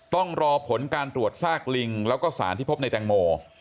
ต้องรอผลการตรวจซากลิงแล้วก็สารที่พบในแตงโม